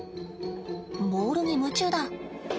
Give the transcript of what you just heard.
ボールに夢中だ。